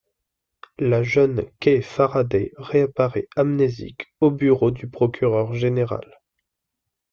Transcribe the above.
La jeune Kay Faraday réapparaît amnésique au Bureau du Procureur Général.